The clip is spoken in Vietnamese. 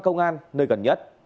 nơi gần nhất